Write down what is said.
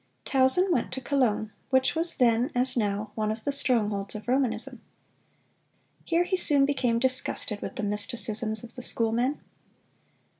Tausen went to Cologne, which was then, as now, one of the strongholds of Romanism. Here he soon became disgusted with the mysticisms of the schoolmen.